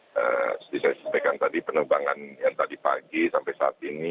seperti saya sampaikan tadi penerbangan yang tadi pagi sampai saat ini